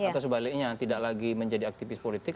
atau sebaliknya tidak lagi menjadi aktivis politik